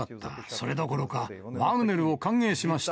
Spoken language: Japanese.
それどころか、ワグネルを歓迎しました。